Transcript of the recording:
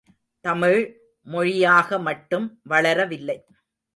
தமிழ், மொழியாக மட்டும் வளரவில்லை.